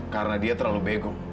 karena dia terlalu bego